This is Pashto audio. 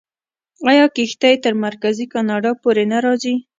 آیا کښتۍ تر مرکزي کاناډا پورې نه راځي؟